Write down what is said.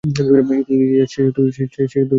ইলিয়াস, সে শুধু তোমাকে মিথ্যা বলবে!